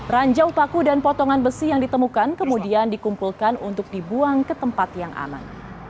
ranjau paku dan potongan besi yang ditemukan kemudian dikumpulkan untuk dibuang ke tempat yang aman